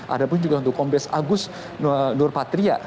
ada pun juga untuk kombes agus nur patria